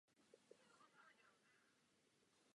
Ten byl vůbec prvním reprezentantem hrajícím za Borussii.